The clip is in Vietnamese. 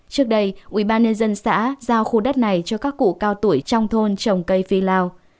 trước đây ubnd xã giao khu đất này cho các cụ cao tuổi trong thôn trồng cây phi lao